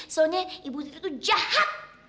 soalnya ibu tiri itu jahat